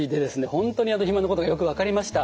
本当に肥満のことがよく分かりました。